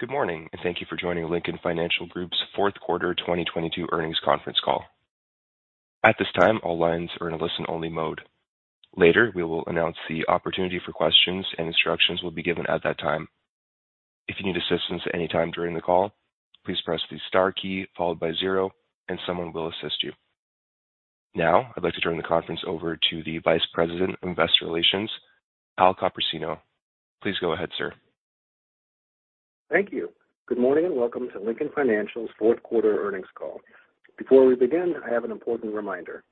Good morning, thank you for joining Lincoln Financial Group's fourth quarter 2022 earnings conference call. At this time, all lines are in a listen-only mode. Later, we will announce the opportunity for questions and instructions will be given at that time. If you need assistance at any time during the call, please press the star key followed by zero and someone will assist you. Now, I'd like to turn the conference over to the Vice President of Investor Relations, Al Copersino. Please go ahead, sir. Thank you. Good morning and welcome to Lincoln Financial's fourth quarter earnings call. Before we begin, I have an important reminder.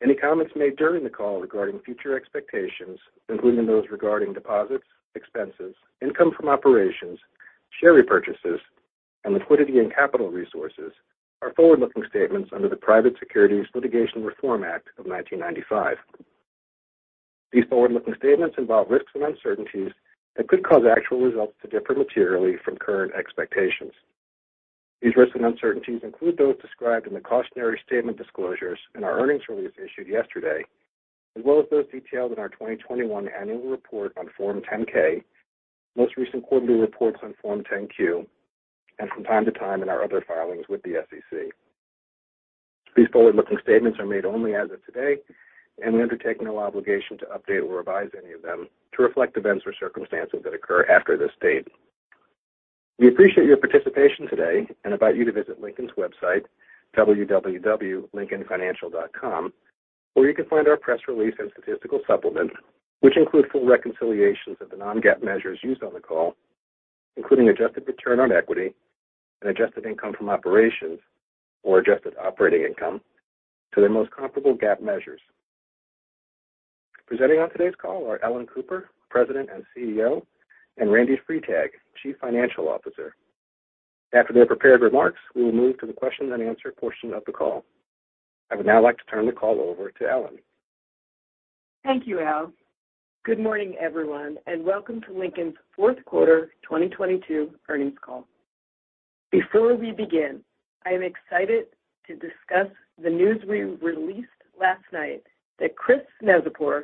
Any comments made during the call regarding future expectations, including those regarding deposits, expenses, income from operations, share repurchases, and liquidity and capital resources are forward-looking statements under the Private Securities Litigation Reform Act of 1995. These forward-looking statements involve risks and uncertainties that could cause actual results to differ materially from current expectations. These risks and uncertainties include those described in the cautionary statement disclosures in our earnings release issued yesterday, as well as those detailed in our 2021 annual report on Form 10-K, most recent quarterly reports on Form 10-Q, and from time to time in our other filings with the SEC. These forward-looking statements are made only as of today. We undertake no obligation to update or revise any of them to reflect events or circumstances that occur after this date. We appreciate your participation today and invite you to visit Lincoln's website, www.lincolnfinancial.com, where you can find our press release and statistical supplement, which include full reconciliations of the non-GAAP measures used on the call, including adjusted return on equity and adjusted income from operations or adjusted operating income, to their most comparable GAAP measures. Presenting on today's call are Ellen Cooper, President and CEO, and Randy Freitag, Chief Financial Officer. After their prepared remarks, we will move to the question and answer portion of the call. I would now like to turn the call over to Ellen. Thank you, Al. Good morning, everyone, and welcome to Lincoln's fourth quarter 2022 earnings call. Before we begin, I am excited to discuss the news we released last night that Chris Neczypor,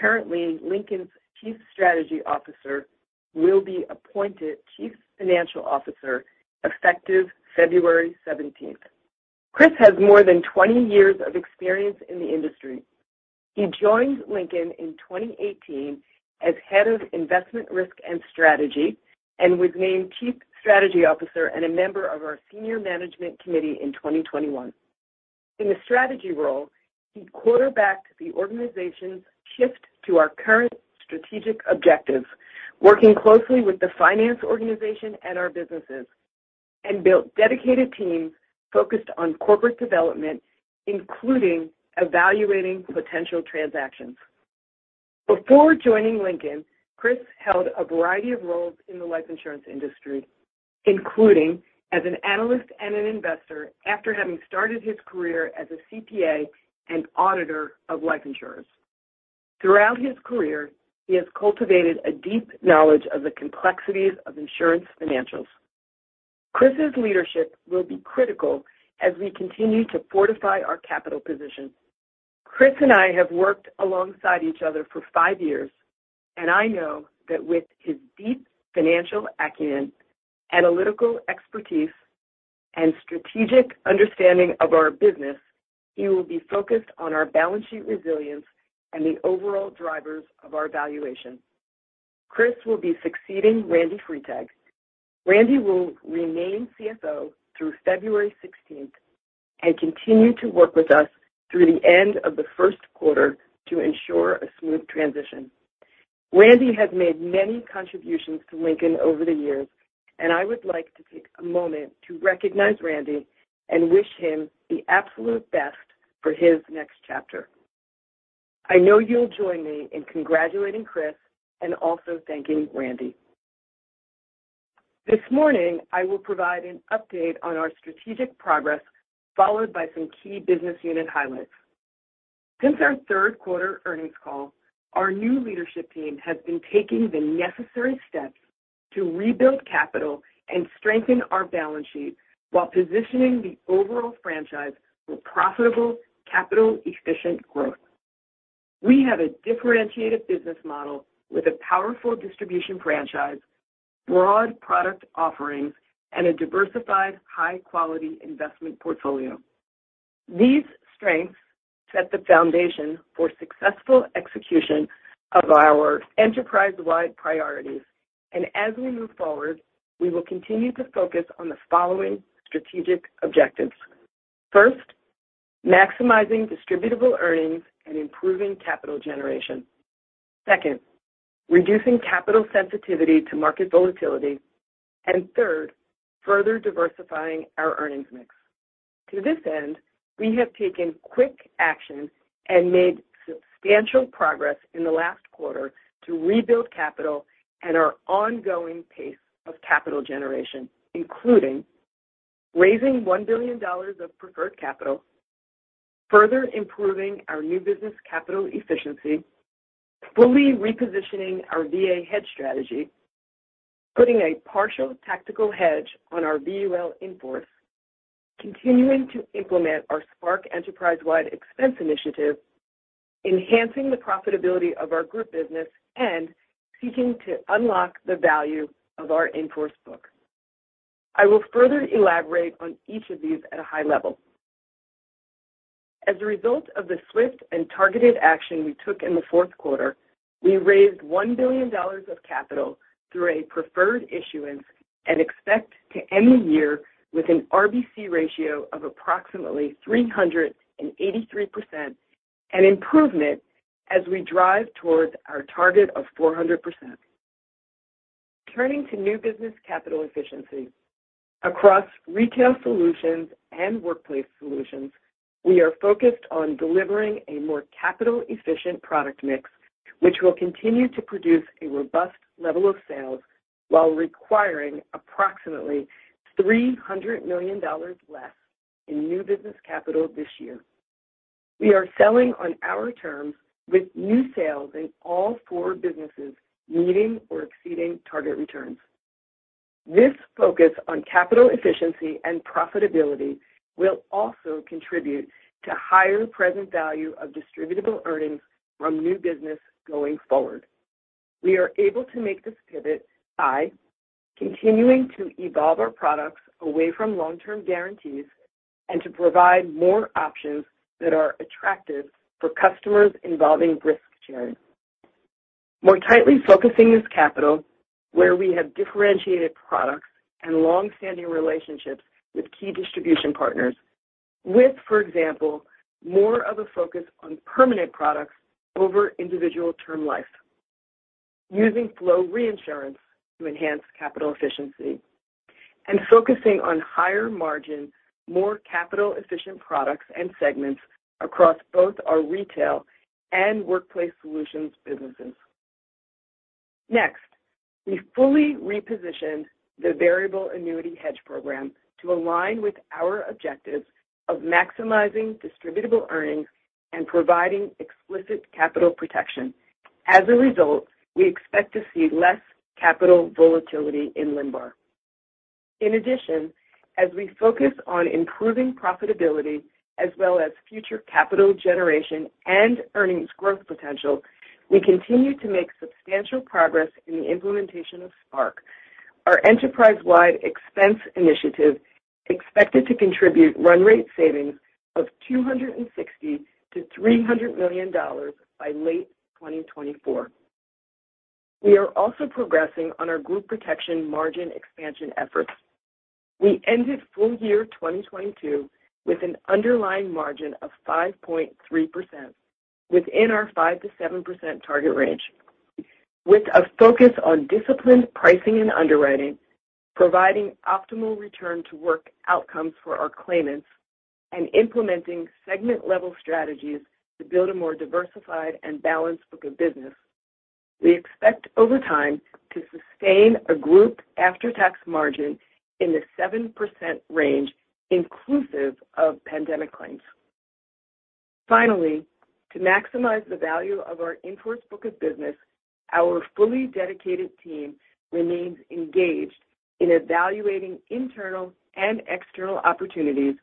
currently Lincoln's Chief Strategy Officer, will be appointed Chief Financial Officer effective February 17th. Chris has more than 20 years of experience in the industry. He joined Lincoln in 2018 as Head of Investment Risk and Strategy and was named Chief Strategy Officer and a member of our Senior Management Committee in 2021. In the strategy role, he quarterbacked the organization's shift to our current strategic objectives, working closely with the finance organization and our businesses and built dedicated teams focused on corporate development, including evaluating potential transactions. Before joining Lincoln, Chris held a variety of roles in the life insurance industry, including as an analyst and an investor after having started his career as a CPA and auditor of life insurance. Throughout his career, he has cultivated a deep knowledge of the complexities of insurance financials. Chris' leadership will be critical as we continue to fortify our capital position. Chris and I have worked alongside each other for five years, and I know that with his deep financial acumen, analytical expertise, and strategic understanding of our business, he will be focused on our balance sheet resilience and the overall drivers of our valuation. Chris will be succeeding Randy Freitag. Randy will remain CFO through February 16th and continue to work with us through the end of the 1st quarter to ensure a smooth transition. Randy has made many contributions to Lincoln over the years, and I would like to take a moment to recognize Randy and wish him the absolute best for his next chapter. I know you'll join me in congratulating Chris and also thanking Randy. This morning, I will provide an update on our strategic progress followed by some key business unit highlights. Since our third quarter earnings call, our new leadership team has been taking the necessary steps to rebuild capital and strengthen our balance sheet while positioning the overall franchise for profitable, capital-efficient growth. We have a differentiated business model with a powerful distribution franchise, broad product offerings, and a diversified high-quality investment portfolio. These strengths set the foundation for successful execution of our enterprise-wide priorities. As we move forward, we will continue to focus on the following strategic objectives. First, maximizing distributable earnings and improving capital generation. Second, reducing capital sensitivity to market volatility. Third, further diversifying our earnings mix. To this end, we have taken quick action and made substantial progress in the last quarter to rebuild capital and our ongoing pace of capital generation, including raising $1 billion of preferred capital, further improving our new business capital efficiency, fully repositioning our VA hedge strategy, putting a partial tactical hedge on our VUL in-force. Continuing to implement our Spark enterprise-wide expense initiative, enhancing the profitability of our group business, and seeking to unlock the value of our in-force book. I will further elaborate on each of these at a high level. As a result of the swift and targeted action we took in the fourth quarter, we raised $1 billion of capital through a preferred issuance and expect to end the year with an RBC ratio of approximately 383%, an improvement as we drive towards our target of 400%. Turning to new business capital efficiency. Across retail solutions and workplace solutions, we are focused on delivering a more capital-efficient product mix, which will continue to produce a robust level of sales while requiring approximately $300 million less in new business capital this year. We are selling on our terms with new sales in all four businesses meeting or exceeding target returns. This focus on capital efficiency and profitability will also contribute to higher present value of distributable earnings from new business going forward. We are able to make this pivot by continuing to evolve our products away from long-term guarantees and to provide more options that are attractive for customers involving risk-sharing. More tightly focusing this capital where we have differentiated products and long-standing relationships with key distribution partners with, for example, more of a focus on permanent products over individual term life, using flow reinsurance to enhance capital efficiency, and focusing on higher margin, more capital-efficient products and segments across both our retail and workplace solutions businesses. Next, we fully reposition the variable annuity hedge program to align with our objectives of maximizing distributable earnings and providing explicit capital protection. As a result, we expect to see less capital volatility in LNBAR. In addition, as we focus on improving profitability as well as future capital generation and earnings growth potential, we continue to make substantial progress in the implementation of Spark, our enterprise-wide expense initiative expected to contribute run rate savings of $260 million-$300 million by late 2024. We are also progressing on our Group Protection margin expansion efforts. We ended full year 2022 with an underlying margin of 5.3% within our 5%-7% target range. With a focus on disciplined pricing and underwriting, providing optimal return to work outcomes for our claimants, and implementing segment-level strategies to build a more diversified and balanced book of business, we expect over time to sustain a group after-tax margin in the 7% range, inclusive of pandemic claims. Finally, to maximize the value of our in-force book of business, our fully dedicated team remains engaged in evaluating internal and external opportunities,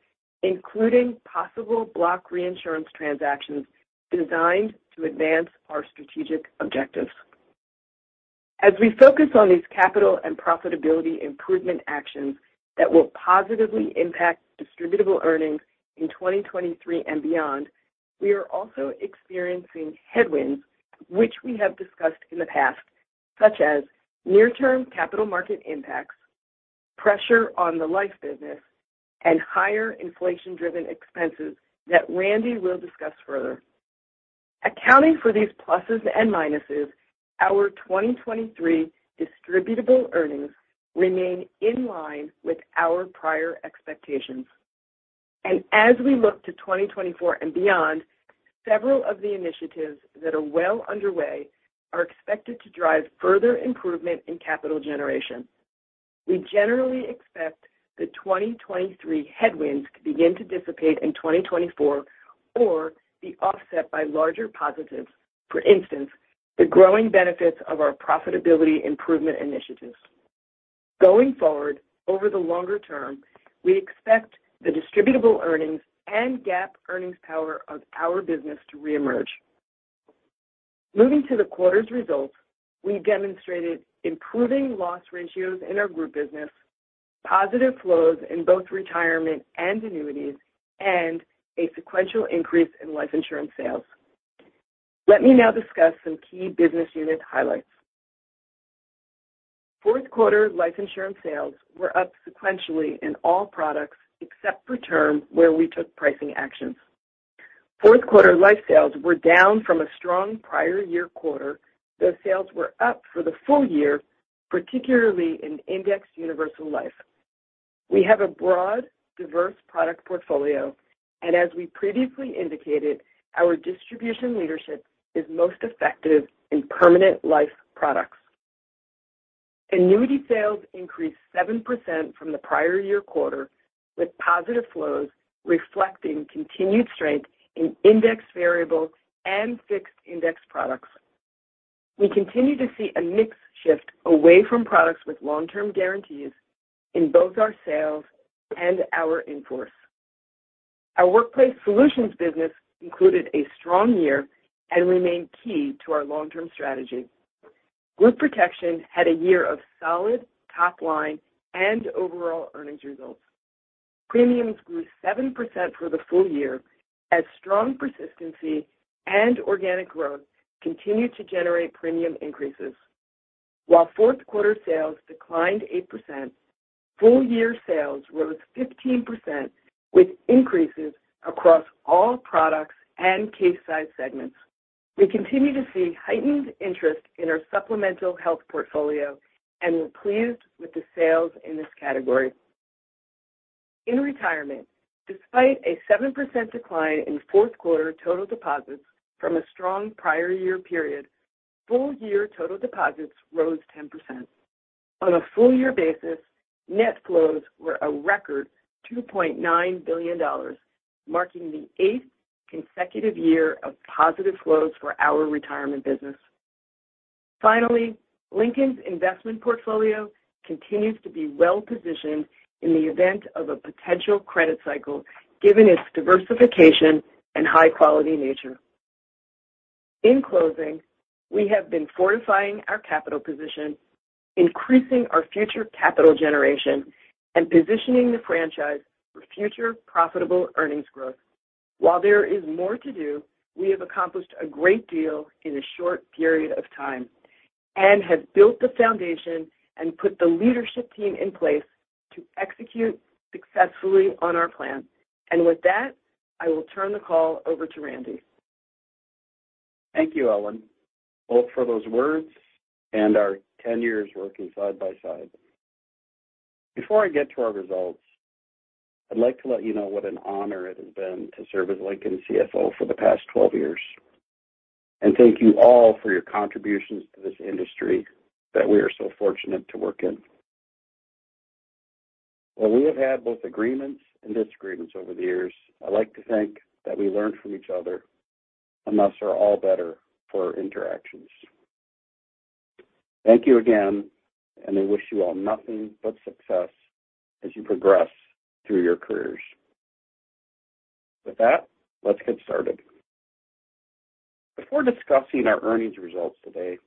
including possible block reinsurance transactions designed to advance our strategic objectives. As we focus on these capital and profitability improvement actions that will positively impact distributable earnings in 2023 and beyond, we are also experiencing headwinds which we have discussed in the past, such as near-term capital market impacts, pressure on the life business, and higher inflation-driven expenses that Randy will discuss further. Accounting for these pluses and minuses, our 2023 distributable earnings remain in line with our prior expectations. As we look to 2024 and beyond, several of the initiatives that are well underway are expected to drive further improvement in capital generation. We generally expect the 2023 headwinds to begin to dissipate in 2024 or be offset by larger positives, for instance, the growing benefits of our profitability improvement initiatives. Over the longer term, we expect the distributable earnings and GAAP earnings power of our business to reemerge. Moving to the quarter's results, we demonstrated improving loss ratios in our group business, positive flows in both retirement and annuities, and a sequential increase in life insurance sales. Let me now discuss some key business unit highlights. 4th quarter life insurance sales were up sequentially in all products except for term where we took pricing actions. 4th quarter life sales were down from a strong prior year quarter, though sales were up for the full year, particularly in indexed universal life. We have a broad, diverse product portfolio, as we previously indicated, our distribution leadership is most effective in permanent life products. Annuity sales increased 7% from the prior year quarter, with positive flows reflecting continued strength in indexed variable and fixed-index products. We continue to see a mix shift away from products with long-term guarantees in both our sales and our in-force. Our workplace solutions business included a strong year and remained key to our long-term strategy. Group Protection had a year of solid top line and overall earnings results. Premiums grew 7% for the full year as strong persistency and organic growth continued to generate premium increases. Fourth quarter sales declined 8%, full year sales rose 15% with increases across all products and case size segments. We continue to see heightened interest in our supplemental health portfolio, and we're pleased with the sales in this category. In retirement, despite a 7% decline in fourth quarter total deposits from a strong prior year period, full year total deposits rose 10%. On a full year basis, net flows were a record $2.9 billion, marking the eighth consecutive year of positive flows for our retirement business. Finally, Lincoln's investment portfolio continues to be well-positioned in the event of a potential credit cycle given its diversification and high-quality nature. In closing, we have been fortifying our capital position, increasing our future capital generation, and positioning the franchise for future profitable earnings growth. While there is more to do, we have accomplished a great deal in a short period of time and have built the foundation and put the leadership team in place to execute successfully on our plan. With that, I will turn the call over to Randy. Thank you, Ellen, both for those words and our 10 years working side by side. Before I get to our results, I'd like to let you know what an honor it has been to serve as Lincoln CFO for the past 12 years. Thank you all for your contributions to this industry that we are so fortunate to work in. While we have had both agreements and disagreements over the years, I'd like to think that we learn from each other and thus are all better for our interactions. Thank you again, I wish you all nothing but success as you progress through your careers. With that, let's get started. Before discussing our earnings results today,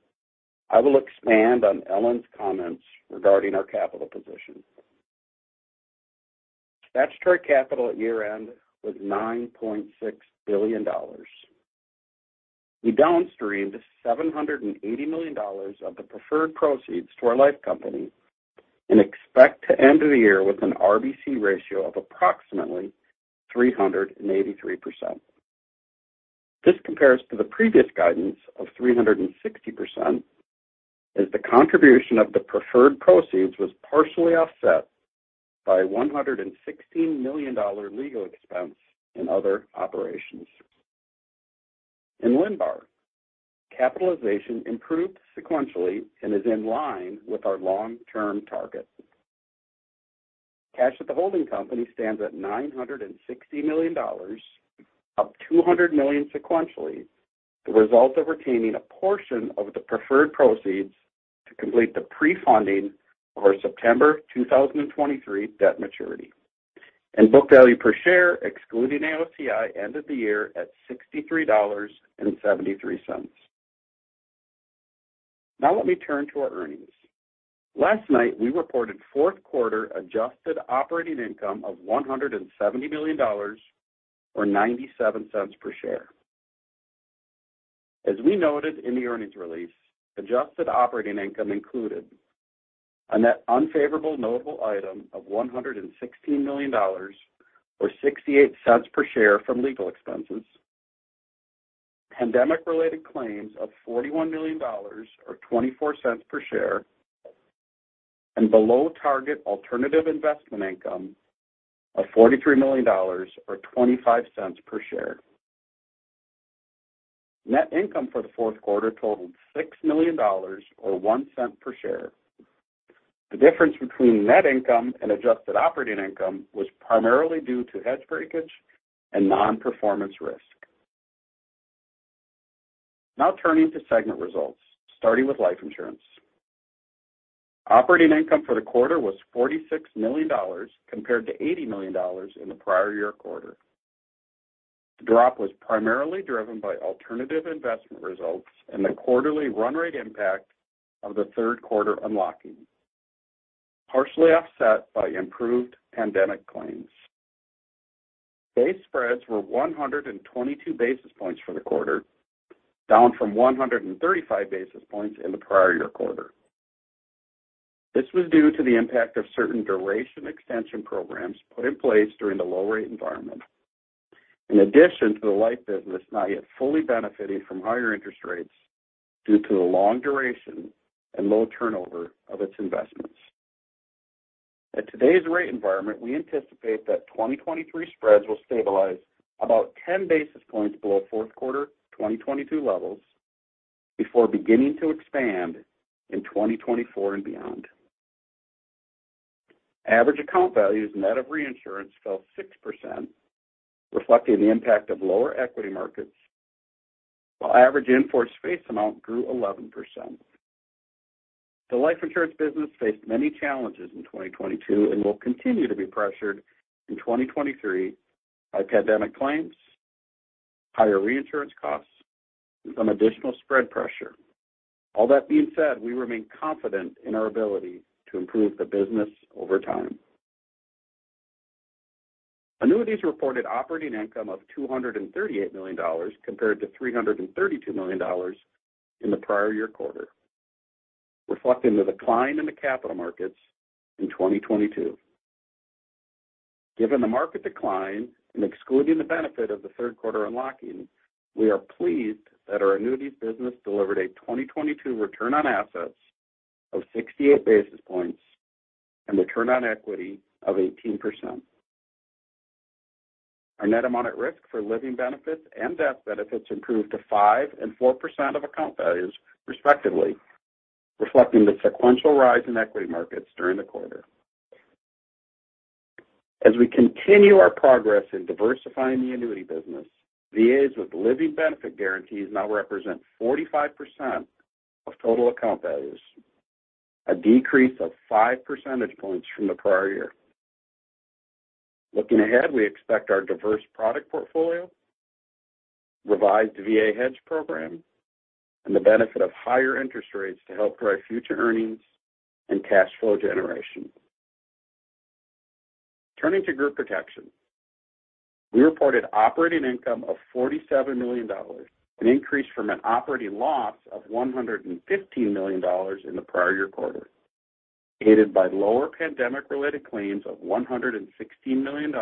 I will expand on Ellen's comments regarding our capital position. Statutory capital at year-end was $9.6 billion. We downstreamed $780 million of the preferred proceeds to our life company and expect to end the year with an RBC ratio of approximately 383%. This compares to the previous guidance of 360%, as the contribution of the preferred proceeds was partially offset by $116 million legal expense in other operations. In LNBAR, capitalization improved sequentially and is in line with our long-term target. Cash at the holding company stands at $960 million, up $200 million sequentially, the result of retaining a portion of the preferred proceeds to complete the pre-funding of our September 2023 debt maturity. Book value per share, excluding AOCI, ended the year at $63.73. Now let me turn to our earnings. Last night, we reported fourth quarter adjusted operating income of $170 million or $0.97 per share. As we noted in the earnings release, adjusted operating income included a net unfavorable notable item of $116 million or $0.68 per share from legal expenses, pandemic-related claims of $41 million or $0.24 per share, and below target alternative investment income of $43 million or $0.25 per share. Net income for the fourth quarter totaled $6 million or $0.01 per share. The difference between net income and adjusted operating income was primarily due to hedge breakage and non-performance risk. Turning to segment results, starting with life insurance. Operating income for the quarter was $46 million compared to $80 million in the prior year quarter. The drop was primarily driven by alternative investment results and the quarterly run rate impact of the third quarter unlocking, partially offset by improved pandemic claims. Base spreads were 122 basis points for the quarter, down from 135 basis points in the prior year quarter. This was due to the impact of certain duration extension programs put in place during the low rate environment. In addition to the life business not yet fully benefiting from higher interest rates due to the long duration and low turnover of its investments. At today's rate environment, we anticipate that 2023 spreads will stabilize about 10 basis points below fourth quarter 2022 levels before beginning to expand in 2024 and beyond. Average account values net of reinsurance fell 6%, reflecting the impact of lower equity markets, while average in force face amount grew 11%. The life insurance business faced many challenges in 2022 and will continue to be pressured in 2023 by pandemic claims, higher reinsurance costs, and some additional spread pressure. All that being said, we remain confident in our ability to improve the business over time. Annuities reported operating income of $238 million compared to $332 million in the prior year quarter, reflecting the decline in the capital markets in 2022. Given the market decline and excluding the benefit of the third quarter unlocking, we are pleased that our annuities business delivered a 2022 return on assets of 68 basis points and return on equity of 18%. Our net amount at risk for living benefits and death benefits improved to 5% and 4% of account values, respectively, reflecting the sequential rise in equity markets during the quarter. As we continue our progress in diversifying the annuity business, VAs with living benefit guarantees now represent 45% of total account values, a decrease of 5 percentage points from the prior year. Looking ahead, we expect our diverse product portfolio, revised VA hedge program, and the benefit of higher interest rates to help drive future earnings and cash flow generation. Turning to Group Protection, we reported operating income of $47 million, an increase from an operating loss of $115 million in the prior year quarter, aided by lower pandemic-related claims of $116 million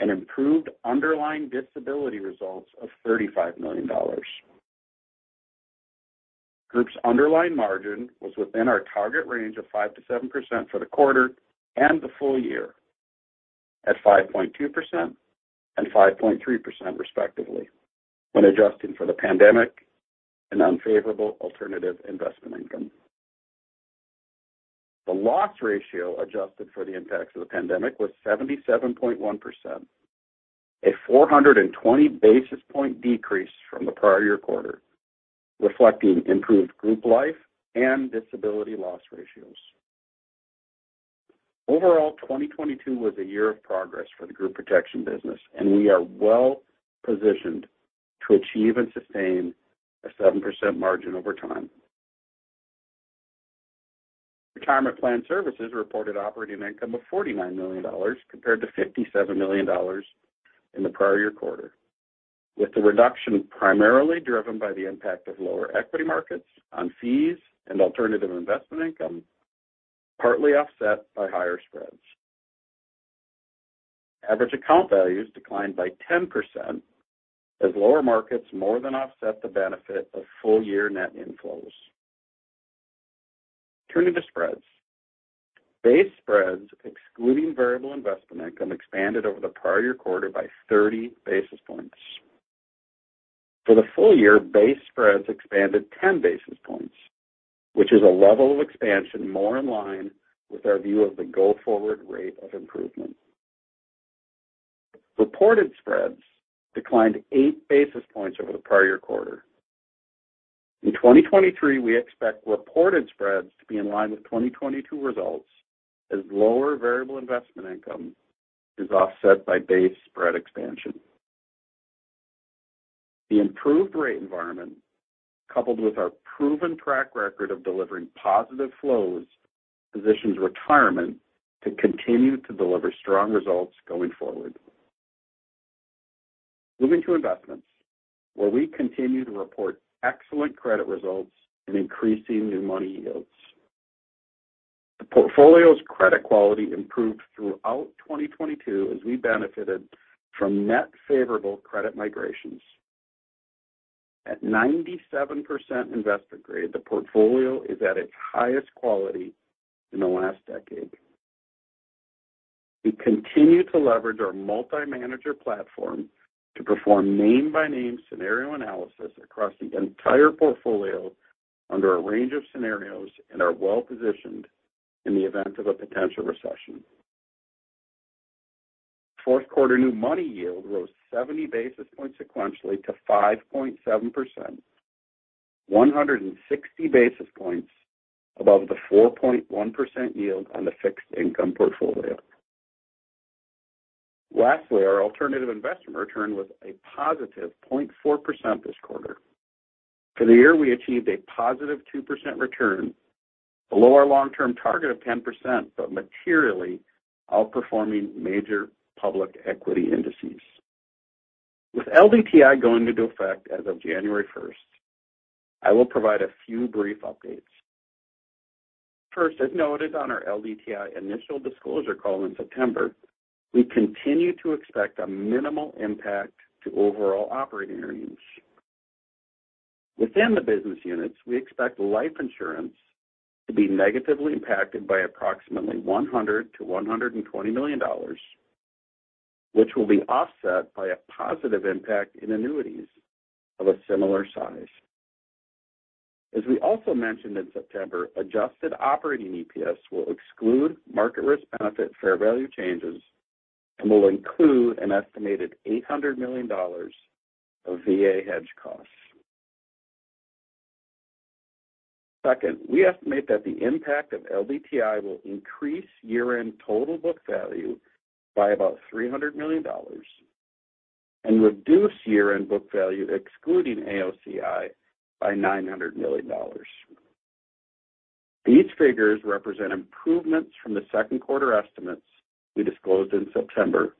and improved underlying disability results of $35 million. Group Protection's underlying margin was within our target range of 5%-7% for the quarter and the full year at 5.2% and 5.3%, respectively, when adjusting for the pandemic and unfavorable alternative investment income. The loss ratio adjusted for the impacts of the pandemic was 77.1%, a 420 basis point decrease from the prior year quarter, reflecting improved group life and disability loss ratios. Overall, 2022 was a year of progress for the Group Protection business. We are well-positioned to achieve and sustain a 7% margin over time. Retirement Plan Services reported operating income of $49 million compared to $57 million in the prior year quarter, with the reduction primarily driven by the impact of lower equity markets on fees and alternative investment income, partly offset by higher spreads. Average account values declined by 10% as lower markets more than offset the benefit of full year net inflows. Turning to spreads. Base spreads excluding variable investment income expanded over the prior year quarter by 30 basis points. For the full year, base spreads expanded 10 basis points, which is a level of expansion more in line with our view of the go-forward rate of improvement. Reported spreads declined 8 basis points over the prior year quarter. In 2023, we expect reported spreads to be in line with 2022 results as lower variable investment income is offset by base spread expansion. The improved rate environment, coupled with our proven track record of delivering positive flows, positions Retirement to continue to deliver strong results going forward. Moving to Investments, where we continue to report excellent credit results and increasing new money yields. The portfolio's credit quality improved throughout 2022 as we benefited from net favorable credit migrations. At 97% investment grade, the portfolio is at its highest quality in the last decade. We continue to leverage our multi-manager platform to perform name-by-name scenario analysis across the entire portfolio under a range of scenarios and are well-positioned in the event of a potential recession. Fourth quarter new money yield rose 70 basis points sequentially to 5.7%, 160 basis points above the 4.1% yield on the fixed income portfolio. Lastly, our alternative investment return was a positive 0.4% this quarter. For the year, we achieved a positive 2% return, below our long-term target of 10%, but materially outperforming major public equity indices. With LDTI going into effect as of January 1st, I will provide a few brief updates. First, as noted on our LDTI initial disclosure call in September, we continue to expect a minimal impact to overall operating earnings. Within the business units, we expect life insurance to be negatively impacted by approximately $100 million-$120 million, which will be offset by a positive impact in annuities of a similar size. As we also mentioned in September, adjusted operating EPS will exclude market risk benefit fair value changes and will include an estimated $800 million of VA hedge costs. Second, we estimate that the impact of LDTI will increase year-end total book value by about $300 million and reduce year-end book value excluding AOCI by $900 million. These figures represent improvements from the second quarter estimates we disclosed in September,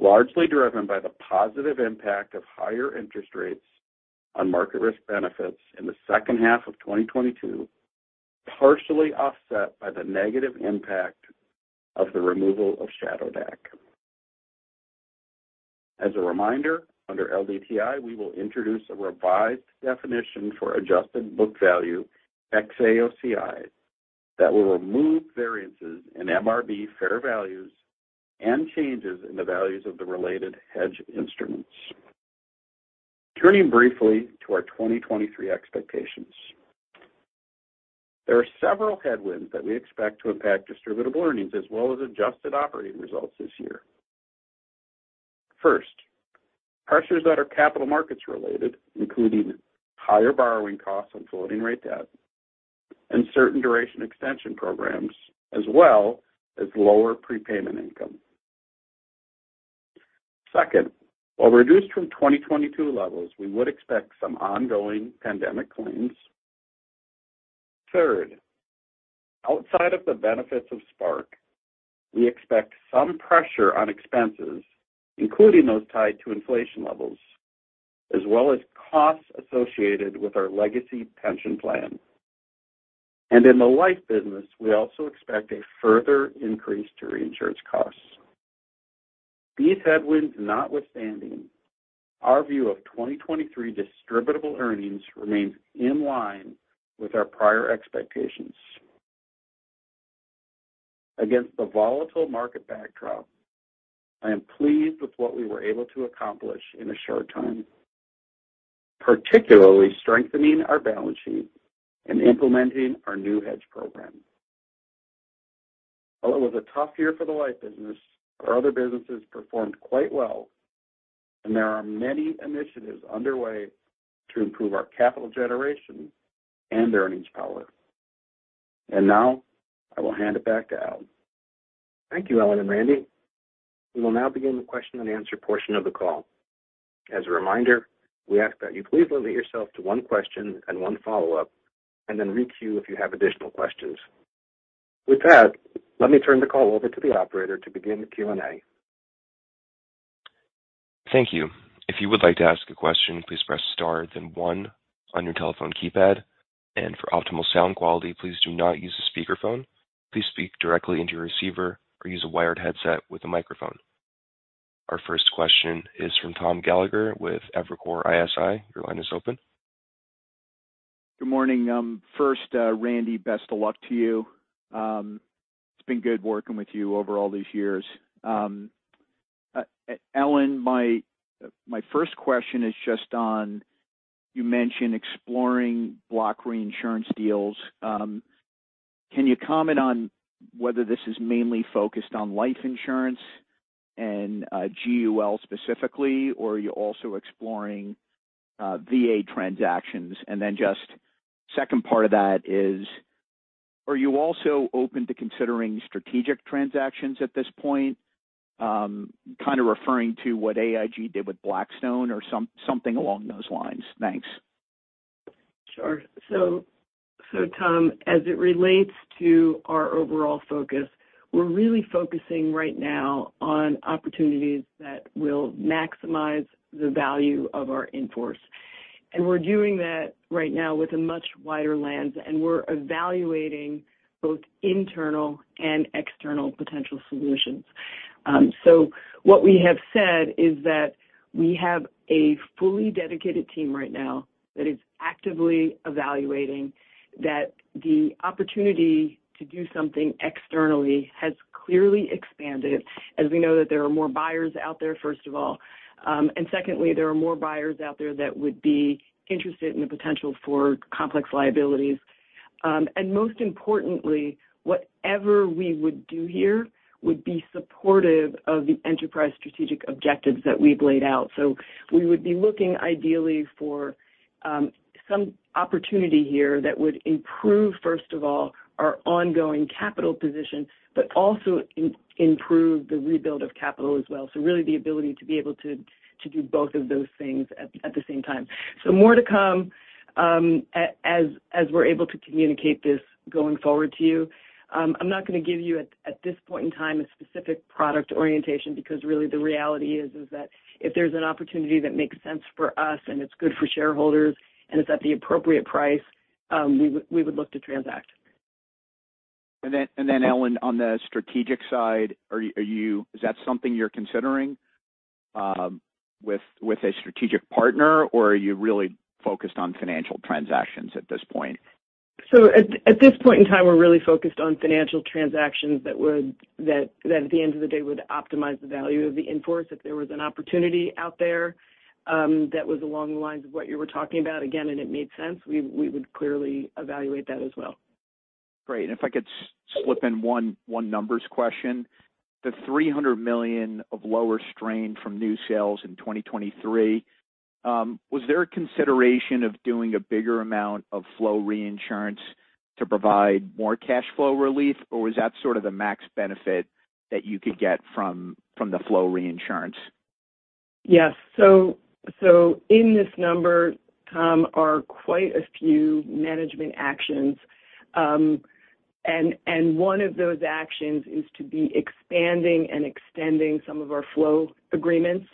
largely driven by the positive impact of higher interest rates on market risk benefits in the second half of 2022, partially offset by the negative impact of the removal of shadow DAC. As a reminder, under LDTI, we will introduce a revised definition for adjusted book value ex AOCI that will remove variances in MRB fair values and changes in the values of the related hedge instruments. Turning briefly to our 2023 expectations. There are several headwinds that we expect to impact distributable earnings as well as adjusted operating results this year. First, pressures that are capital markets related, including higher borrowing costs on floating rate debt and certain duration extension programs, as well as lower prepayment income. Second, while reduced from 2022 levels, we would expect some ongoing pandemic claims. Third, outside of the benefits of Spark, we expect some pressure on expenses, including those tied to inflation levels, as well as costs associated with our legacy pension plan. In the life business, we also expect a further increase to reinsurance costs. These headwinds notwithstanding, our view of 2023 distributable earnings remains in line with our prior expectations. Against the volatile market backdrop, I am pleased with what we were able to accomplish in a short time, particularly strengthening our balance sheet and implementing our new hedge program. Although it was a tough year for the life business, our other businesses performed quite well, and there are many initiatives underway to improve our capital generation and earnings power. Now I will hand it back to Al. Thank you, Ellen and Randy. We will now begin the question and answer portion of the call. As a reminder, we ask that you please limit yourself to one question and one follow-up, and then re-queue if you have additional questions. With that, let me turn the call over to the operator to begin the Q&A. Thank you. If you would like to ask a question, please press star then one on your telephone keypad. For optimal sound quality, please do not use a speakerphone. Please speak directly into your receiver or use a wired headset with a microphone. Our first question is from Tom Gallagher with Evercore ISI. Your line is open. Good morning. First, Randy, best of luck to you. It's been good working with you over all these years. Ellen, my first question is just on, you mentioned exploring block reinsurance deals. Can you comment on whether this is mainly focused on life insurance and GUL specifically, or are you also exploring VA transactions? Then just second part of that is, are you also open to considering strategic transactions at this point? Kind of referring to what AIG did with Blackstone or something along those lines. Thanks. Sure. Tom, as it relates to our overall focus, we're really focusing right now on opportunities that will maximize the value of our in-force. We're doing that right now with a much wider lens, and we're evaluating both internal and external potential solutions. What we have said is that we have a fully dedicated team right now that is actively evaluating that the opportunity to do something externally has clearly expanded as we know that there are more buyers out there, first of all. Secondly, there are more buyers out there that would be interested in the potential for complex liabilities. Most importantly, whatever we would do here would be supportive of the enterprise strategic objectives that we've laid out. We would be looking ideally for some opportunity here that would improve, first of all, our ongoing capital position, but also improve the rebuild of capital as well. Really, the ability to be able to do both of those things at the same time. More to come, as we're able to communicate this going forward to you. I'm not gonna give you at this point in time a specific product orientation, because really the reality is that if there's an opportunity that makes sense for us and it's good for shareholders and it's at the appropriate price, we would, we would look to transact. Ellen, on the strategic side, is that something you're considering, with a strategic partner, or are you really focused on financial transactions at this point? At this point in time, we're really focused on financial transactions that at the end of the day would optimize the value of the in-force. If there was an opportunity out there, that was along the lines of what you were talking about, again, and it made sense, we would clearly evaluate that as well. Great. If I could slip in one numbers question. The $300 million of lower strain from new sales in 2023, was there a consideration of doing a bigger amount of flow reinsurance to provide more cash flow relief, or was that sort of the max benefit that you could get from the flow reinsurance? Yes. In this number, Tom, are quite a few management actions. One of those actions is to be expanding and extending some of our flow agreements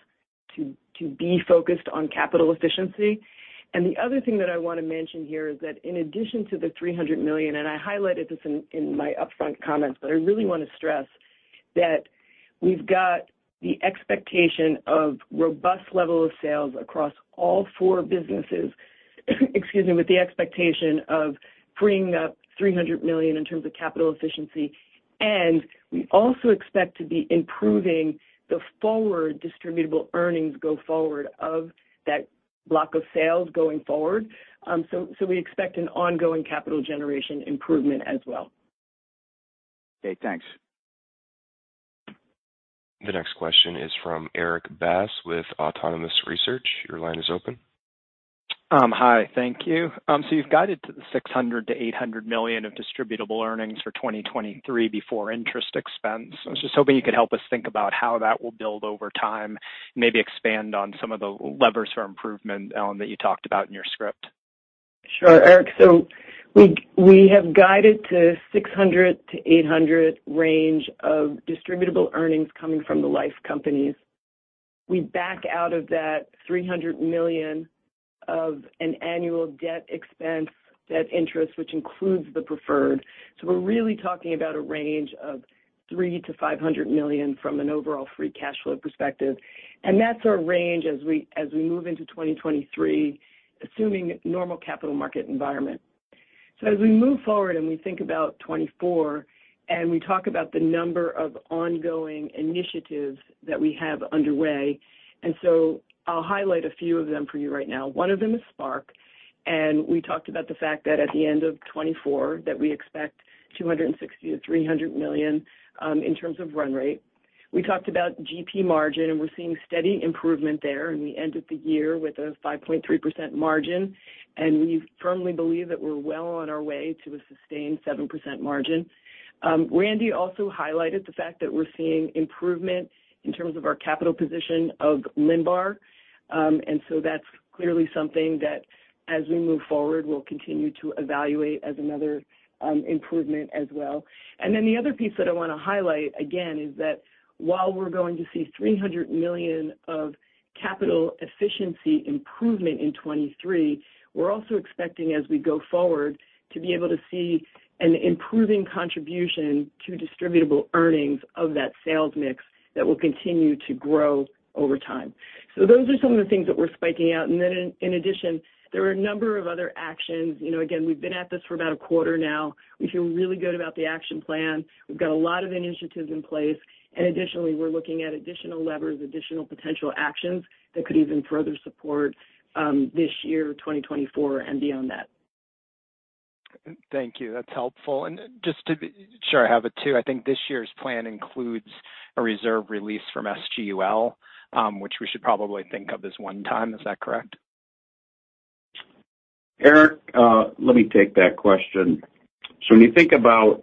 to be focused on capital efficiency. The other thing that I want to mention here is that in addition to the $300 million, and I highlighted this in my upfront comments, but I really want to stress that we've got the expectation of robust level of sales across all four businesses, excuse me, with the expectation of freeing up $300 million in terms of capital efficiency. We also expect to be improving the forward distributable earnings go forward of that block of sales going forward. We expect an ongoing capital generation improvement as well. Okay, thanks. The next question is from Erik Bass with Autonomous Research. Your line is open. Hi. Thank you. You've guided to the $600 million-$800 million of distributable earnings for 2023 before interest expense. I was just hoping you could help us think about how that will build over time, maybe expand on some of the levers for improvement, Ellen, that you talked about in your script. Sure, Erik. We have guided to a $600 million-$800 million range of distributable earnings coming from the life companies. We back out of that $300 million of an annual debt expense, debt interest, which includes the preferred. We're really talking about a range of $300 million-$500 million from an overall free cash flow perspective. That's our range as we move into 2023, assuming normal capital market environment. As we move forward and we think about 2024, and we talk about the number of ongoing initiatives that we have underway, I'll highlight a few of them for you right now. One of them is Spark, and we talked about the fact that at the end of 2024, that we expect $260 million-$300 million in terms of run rate. We talked about GP margin, and we're seeing steady improvement there in the end of the year with a 5.3% margin. We firmly believe that we're well on our way to a sustained 7% margin. Randy also highlighted the fact that we're seeing improvement in terms of our capital position of LNBAR. That's clearly something that as we move forward, we'll continue to evaluate as another improvement as well. The other piece that I want to highlight again is that while we're going to see $300 million of capital efficiency improvement in 2023, we're also expecting as we go forward to be able to see an improving contribution to distributable earnings of that sales mix that will continue to grow over time. Those are some of the things that we're spiking out. In addition, there are a number of other actions. You know, again, we've been at this for about a quarter now. We feel really good about the action plan. We've got a lot of initiatives in place. Additionally, we're looking at additional levers, additional potential actions that could even further support this year, 2024 and beyond that. Thank you. That's helpful. Just to be sure I have it too, I think this year's plan includes a reserve release from SGUL, which we should probably think of as one time. Is that correct? Erik, let me take that question. When you think about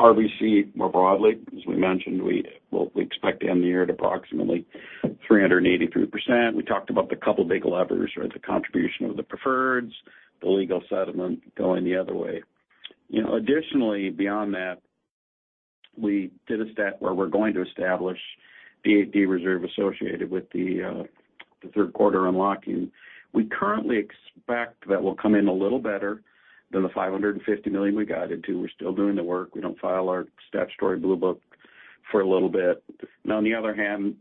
RBC more broadly, as we mentioned, well, we expect to end the year at approximately 383%. We talked about the couple big levers or the contribution of the preferreds, the legal settlement going the other way. You know, additionally beyond that, we did a stat where we're going to establish the AD reserve associated with the third quarter unlocking. We currently expect that we'll come in a little better than the $550 million we guided to. We're still doing the work. We don't file our statutory Blue Book for a little bit. On the other hand,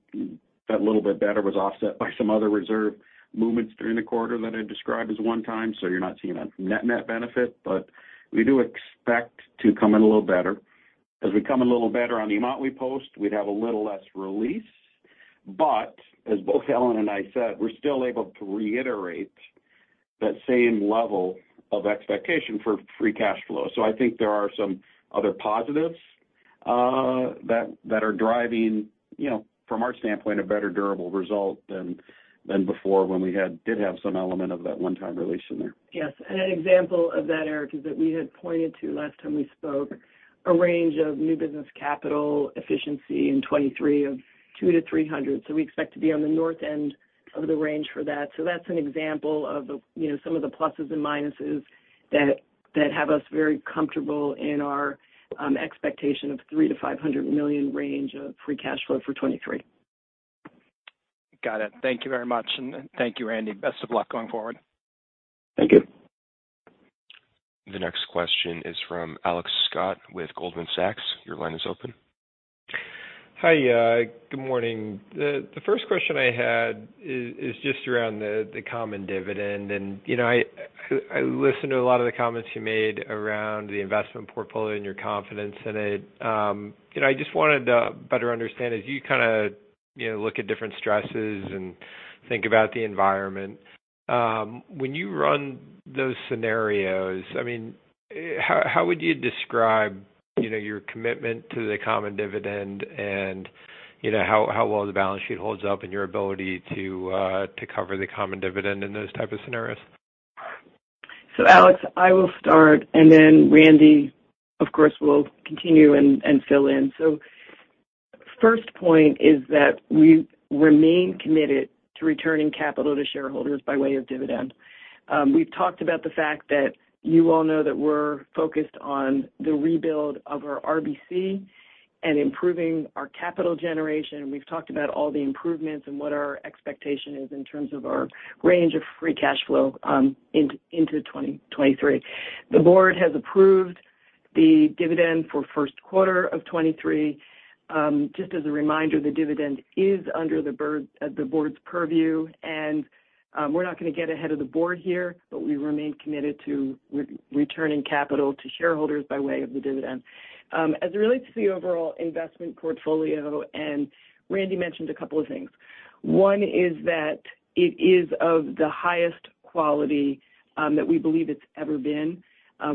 that little bit better was offset by some other reserve movements during the quarter that I described as one time. You're not seeing a net-net benefit, but we do expect to come in a little better. As we come in a little better on the amount we post, we'd have a little less release. As both Ellen and I said, we're still able to reiterate that same level of expectation for free cash flow. I think there are some other positives that are driving, you know, from our standpoint, a better durable result than before when we did have some element of that one-time release in there. Yes. An example of that, Erik, is that we had pointed to last time we spoke a range of new business capital efficiency in 2023 of 200-300. We expect to be on the north end of the range for that. That's an example of, you know, some of the pluses and minuses that have us very comfortable in our expectation of $300 million-$500 million range of free cash flow for 2023. Got it. Thank you very much. Thank you, Randy. Best of luck going forward. Thank you. The next question is from Alex Scott with Goldman Sachs. Your line is open. Hi, good morning. The first question I had is just around the common dividend. You know, I listened to a lot of the comments you made around the investment portfolio and your confidence in it. You know, I just wanted to better understand. As you kinda, you know, look at different stresses and think about the environment, when you run those scenarios, I mean, how would you describe, you know, your commitment to the common dividend and, you know, how well the balance sheet holds up and your ability to cover the common dividend in those type of scenarios? Alex, I will start, then Randy, of course, will continue and fill in. We've talked about the fact that you all know that we're focused on the rebuild of our RBC and improving our capital generation. We've talked about all the improvements and what our expectation is in terms of our range of free cash flow into 2023. The board has approved the dividend for first quarter of 2023. Just as a reminder, the dividend is under the board's purview, and we're not gonna get ahead of the board here, but we remain committed to re-returning capital to shareholders by way of the dividend. As it relates to the overall investment portfolio, Randy mentioned a couple of things. One is that it is of the highest quality, that we believe it's ever been.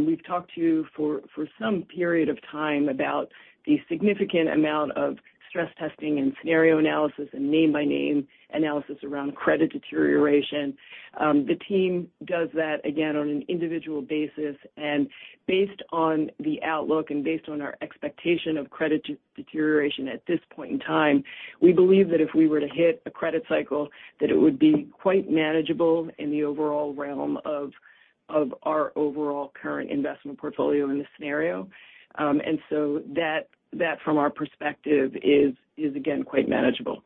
We've talked to you for some period of time about the significant amount of stress testing and scenario analysis and name-by-name analysis around credit deterioration. The team does that again on an individual basis. Based on the outlook and based on our expectation of credit deterioration at this point in time, we believe that if we were to hit a credit cycle, that it would be quite manageable in the overall realm of our overall current investment portfolio in this scenario. That from our perspective is again, quite manageable.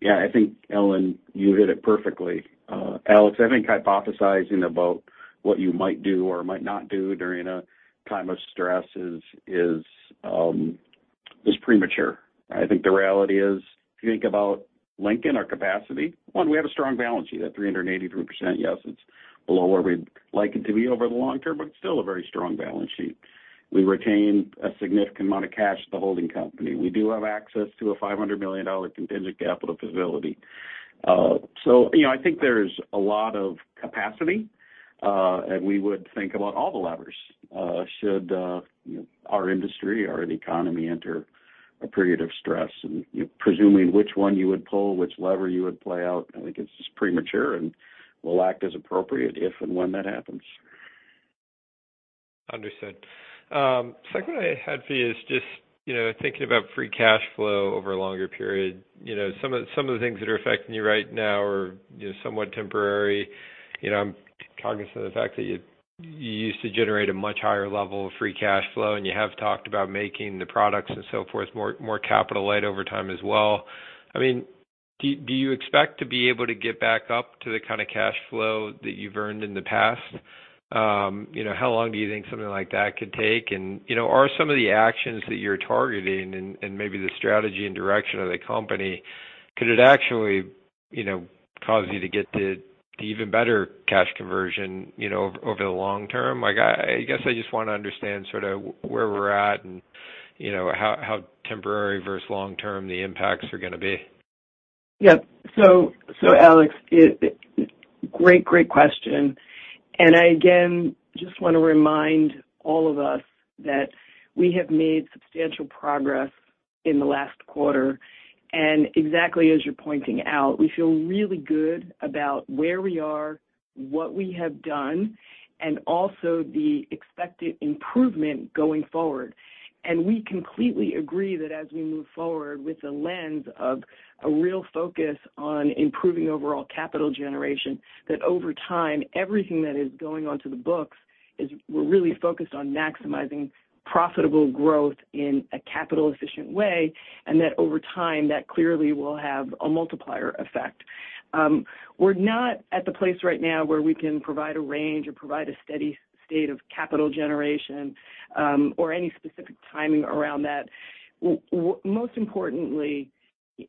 Yeah. I think, Ellen, you hit it perfectly. Alex, I think hypothesizing about what you might do or might not do during a time of stress is premature. I think the reality is, if you think about Lincoln, our capacity, one, we have a strong balance sheet at 383%. Yes, it's below where we'd like it to be over the long term, but still a very strong balance sheet. We retain a significant amount of cash at the holding company. We do have access to a $500 million contingent capital facility. You know, I think there's a lot of capacity, and we would think about all the levers, should, you know, our industry or the economy enter a period of stress. You know, presuming which one you would pull, which lever you would play out, I think it's just premature, and we'll act as appropriate if and when that happens. Understood. second one I had for you is just, you know, thinking about free cash flow over a longer period. You know, some of the things that are affecting you right now are, you know, somewhat temporary. You know, I'm cognizant of the fact that you used to generate a much higher level of free cash flow, and you have talked about making the products and so forth more capital light over time as well. I mean, do you expect to be able to get back up to the kinda cash flow that you've earned in the past? you know, how long do you think something like that could take? You know, are some of the actions that you're targeting and maybe the strategy and direction of the company, could it actually, you know, cause you to get to even better cash conversion, you know, over the long term? Like, I guess I just wanna understand sorta where we're at and, you know, how temporary versus long term the impacts are gonna be. Alex, great question. I again just wanna remind all of us that we have made substantial progress in the last quarter. Exactly as you're pointing out, we feel really good about where we are, what we have done, and also the expected improvement going forward. We completely agree that as we move forward with the lens of a real focus on improving overall capital generation, that over time, everything that is going onto the books is we're really focused on maximizing profitable growth in a capital efficient way, and that over time, that clearly will have a multiplier effect. We're not at the place right now where we can provide a range or provide a steady state of capital generation, or any specific timing around that. Most importantly,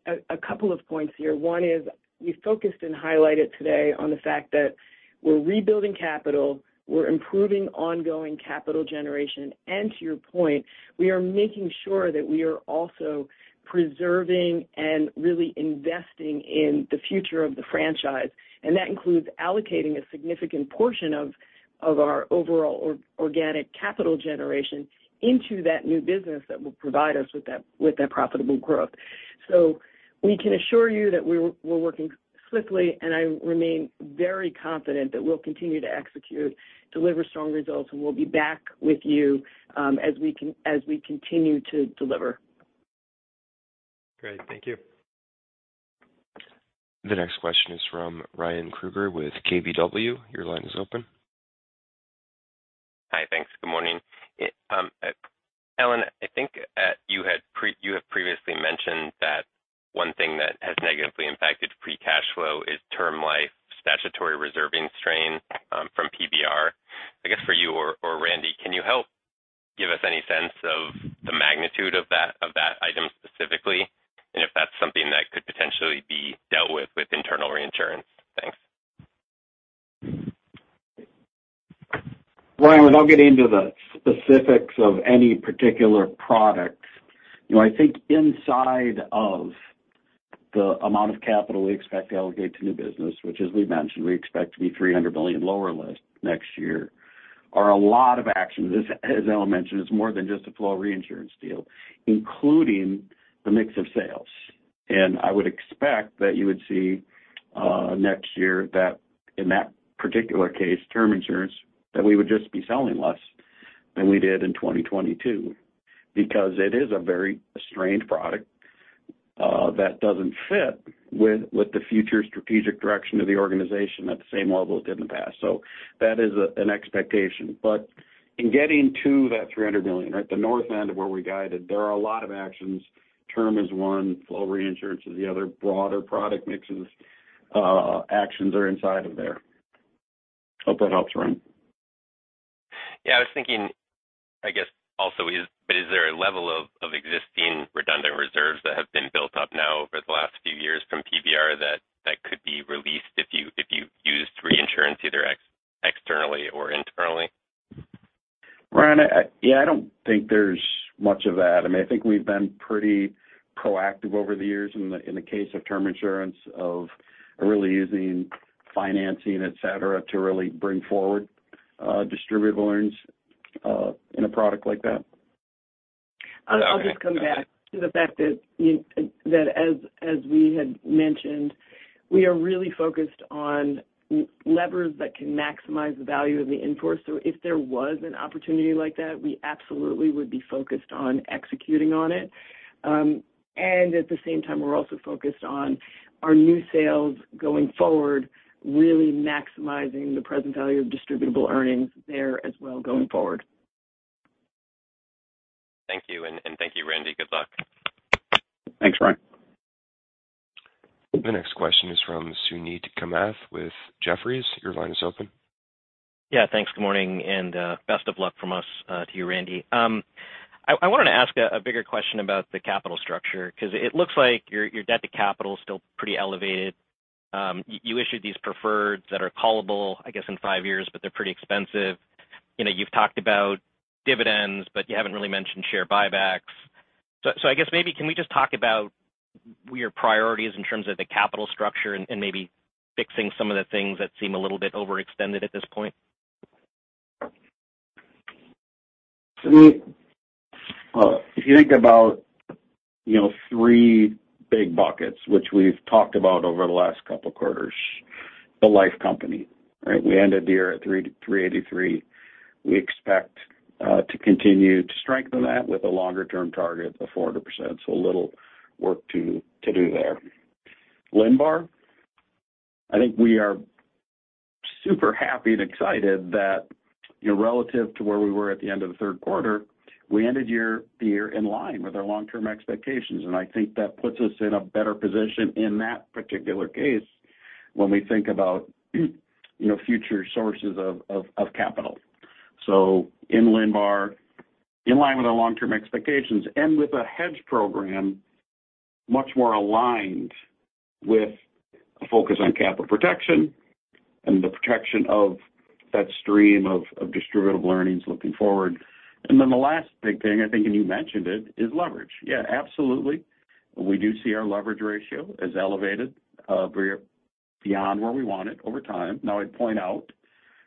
a couple of points here. One is we focused and highlighted today on the fact that we're rebuilding capital, we're improving ongoing capital generation. To your point, we are making sure that we are also preserving and really investing in the future of the franchise, and that includes allocating a significant portion of our overall organic capital generation into that new business that will provide us with that profitable growth. We can assure you that we're working swiftly, and I remain very confident that we'll continue to execute, deliver strong results, and we'll be back with you as we continue to deliver. Great. Thank you. The next question is from Ryan Krueger with KBW. Your line is open. Hi. Thanks. Good morning. It, Ellen, I think, you have previously That one thing that has negatively impacted free cash flow is term life statutory reserving strain from PBR. I guess, for you or Randy, can you help give us any sense of the magnitude of that item specifically, and if that's something that could potentially be dealt with internal reinsurance? Thanks. Ryan, without getting into the specifics of any particular product, you know, I think inside of the amount of capital we expect to allocate to new business, which as we mentioned, we expect to be $300 million lower next year, are a lot of actions. As Ellen mentioned, it's more than just a flow reinsurance deal, including the mix of sales. I would expect that you would see next year that in that particular case, term insurance, that we would just be selling less than we did in 2022 because it is a very strange product that doesn't fit with the future strategic direction of the organization at the same level it did in the past. That is an expectation. In getting to that $300 million, right at the north end of where we guided, there are a lot of actions. Term is one, flow reinsurance is the other. Broader product mixes, actions are inside of there. Hope that helps, Ryan. Yeah, I was thinking, I guess also is, but is there a level of existing redundant reserves that have been built up now over the last few years from PBR that could be released if you used reinsurance either externally or internally? Ryan, yeah, I don't think there's much of that. I mean, I think we've been pretty proactive over the years in the, in the case of term insurance of really using financing, et cetera, to really bring forward distributable earnings in a product like that. I'll just come back to the fact that, you know, that as we had mentioned, we are really focused on levers that can maximize the value of the in-force. If there was an opportunity like that, we absolutely would be focused on executing on it. At the same time, we're also focused on our new sales going forward, really maximizing the present value of distributable earnings there as well going forward. Thank you, and thank you, Randy. Good luck. Thanks, Ryan. The next question is from Suneet Kamath with Jefferies. Your line is open. Yeah. Thanks. Good morning, and best of luck from us to you, Randy. I wanted to ask a bigger question about the capital structure 'cause it looks like your debt to capital is still pretty elevated. You issued these preferreds that are callable, I guess, in five years, but they're pretty expensive. You know, you've talked about dividends, but you haven't really mentioned share buybacks. I guess maybe can we just talk about your priorities in terms of the capital structure and maybe fixing some of the things that seem a little bit overextended at this point? Suneet, if you think about, you know, three big buckets, which we've talked about over the last couple quarters, the life company, right? We ended the year at 383%. We expect to continue to strengthen that with a longer-term target of 400%. A little work to do there. LNBAR, I think we are super happy and excited that, you know, relative to where we were at the end of the third quarter, we ended the year in line with our long-term expectations. I think that puts us in a better position in that particular case when we think about, you know, future sources of capital. In LNBAR, in line with our long-term expectations and with a hedge program much more aligned with a focus on capital protection and the protection of that stream of distributive earnings looking forward. The last big thing, I think, and you mentioned it, is leverage. Yeah, absolutely. We do see our leverage ratio as elevated, we're beyond where we want it over time. I'd point out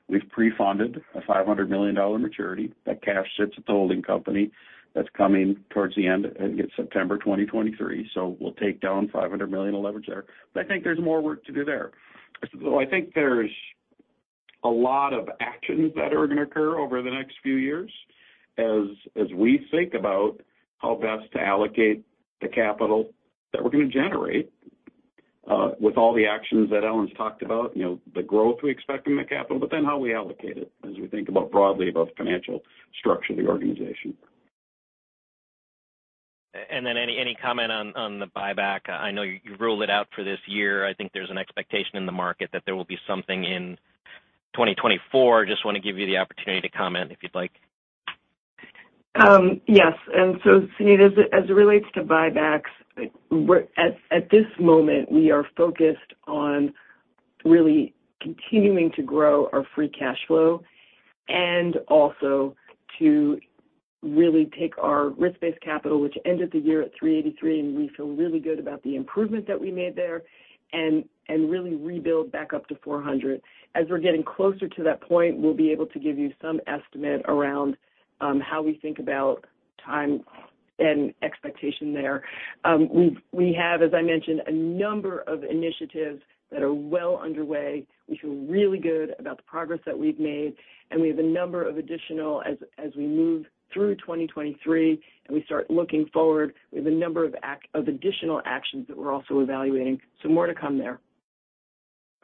we've pre-funded a $500 million maturity. That cash sits at the holding company. That's coming towards the end, I think it's September 2023. We'll take down $500 million of leverage there. I think there's more work to do there. I think there's a lot of actions that are gonna occur over the next few years as we think about how best to allocate the capital that we're gonna generate, with all the actions that Ellen's talked about, you know, the growth we expect from the capital, but then how we allocate it as we think about broadly about the financial structure of the organization. Any comment on the buyback? I know you ruled it out for this year. I think there's an expectation in the market that there will be something in 2024. Just want to give you the opportunity to comment if you'd like. Yes. Suneet, as it relates to buybacks, at this moment, we are focused on really continuing to grow our free cash flow and also to really take our risk-based capital, which ended the year at 383, and really rebuild back up to 400. As we're getting closer to that point, we'll be able to give you some estimate around how we think about time and expectation there. We have, as I mentioned, a number of initiatives that are well underway. We feel really good about the progress that we've made, and we have a number of additional as we move through 2023, and we start looking forward, we have a number of additional actions that we're also evaluating. More to come there.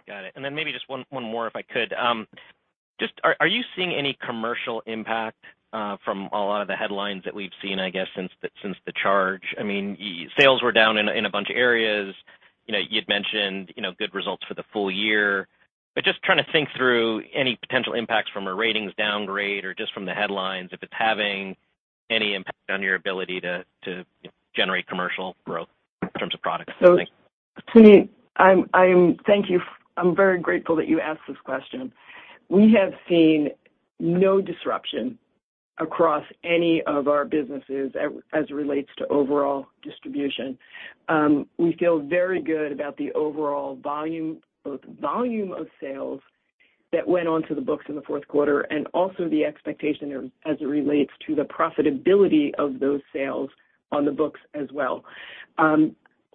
Got it. Maybe just one more, if I could. Are you seeing any commercial impact from a lot of the headlines that we've seen, I guess, since the charge? I mean, sales were down in a bunch of areas. You know, you'd mentioned, you know, good results for the full year. Just trying to think through any potential impacts from a ratings downgrade or just from the headlines, if it's having any impact on your ability to generate commercial growth in terms of products. Thanks. Suneet, I'm Thank you. I'm very grateful that you asked this question. We have seen no disruption across any of our businesses as it relates to overall distribution. We feel very good about the overall volume, both volume of sales that went onto the books in the fourth quarter and also the expectation as it relates to the profitability of those sales on the books as well.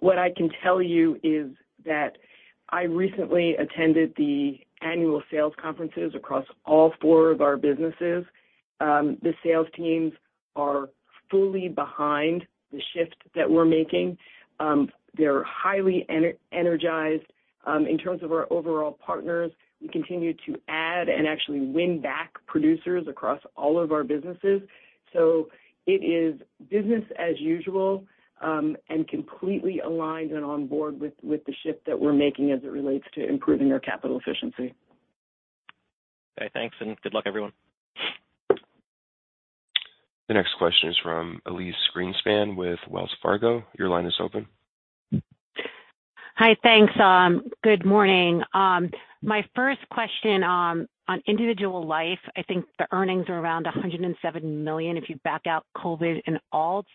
What I can tell you is that I recently attended the annual sales conferences across all four of our businesses. The sales teams are fully behind the shift that we're making. They're highly energized. In terms of our overall partners, we continue to add and actually win back producers across all of our businesses. It is business as usual, and completely aligned and on board with the shift that we're making as it relates to improving our capital efficiency. Okay, thanks, and good luck, everyone. The next question is from Elyse Greenspan with Wells Fargo. Your line is open. Hi. Thanks. Good morning. My first question, on individual life, I think the earnings are around $107 million if you back out COVID and ALTs.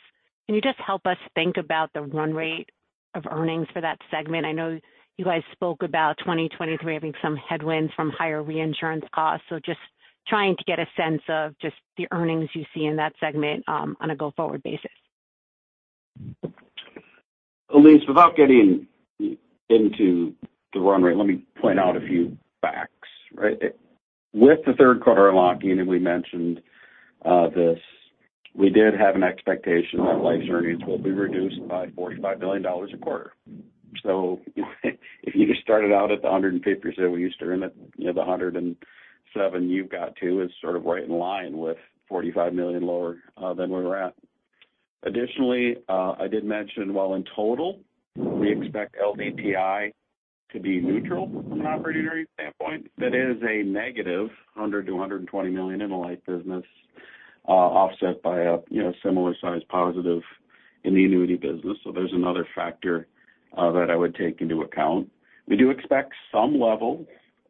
Can you just help us think about the run rate of earnings for that segment? I know you guys spoke about 2023 having some headwinds from higher reinsurance costs. Just trying to get a sense of just the earnings you see in that segment, on a go-forward basis. Elyse, without getting into the run rate, let me point out a few facts, right? With the third quarter unlocking, we mentioned this, we did have an expectation that life's earnings will be reduced by $45 billion a quarter. If you just started out at the 150% we used to earn it, you know, the 107% you've got to is sort of right in line with $45 million lower than we were at. Additionally, I did mention while in total, we expect LDTI to be neutral from an operating standpoint, that is -$100 million to -$120 million in the life business, offset by a, you know, similar size positive in the annuity business. There's another factor that I would take into account. We do expect some level